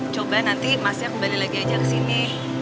coba nanti masnya kembali lagi aja kesini